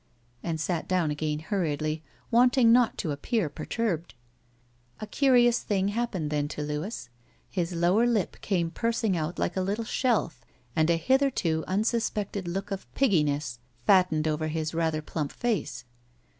And sat down again hurriedly, wanting not to appear perturbed. A curious thing happened then to Louis. His lower lip came pursing out like a little shelf and a hitherto tmsuspected look of pigginess fattened over his rather plump face.